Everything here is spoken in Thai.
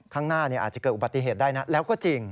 ข้างหน้าอาจจะเกิดอุบัติเหตุได้นะแล้วก็จริง